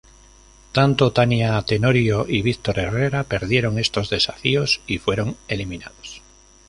Tanto Tania Tenorio y Víctor Herrera perdieron estos desafíos y fueron eliminados.